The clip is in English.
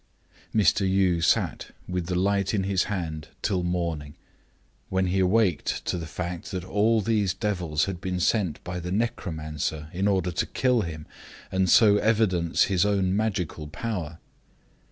Mr. Yii sat with the light in his hand till morning, when he awaked to the fact that all these devils had been sent by the necromancer in order to kill him, and so evidence his own magical power.